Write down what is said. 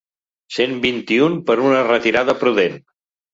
Cent vint-i-vuit per una retirada prudent.